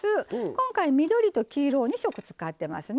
今回緑と黄色２色を使ってますね。